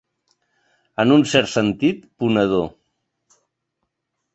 En un cert sentit, ponedor.